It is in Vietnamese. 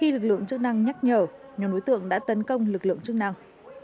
khi lực lượng chức năng nhắc nhở nhóm đối tượng đã tấn công lực lượng chức năng